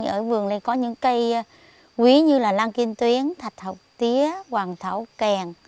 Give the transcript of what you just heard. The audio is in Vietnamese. ở vườn này có những cây quý như là lan kim tuyến thạch học tía hoàng thảo kèn